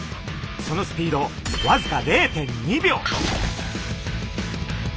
そのスピードわずか０．２秒！